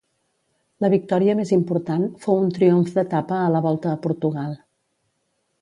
La victòria més important fou un triomf d'etapa a la Volta a Portugal.